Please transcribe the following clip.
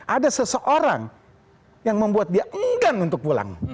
ada seseorang yang membuat dia enggan untuk pulang